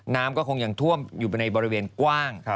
น้ำก็คงยังท่วมอยู่ในบริเวณกว้าง